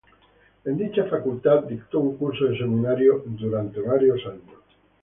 En dicha facultad, dictó un curso de seminario durante varios años.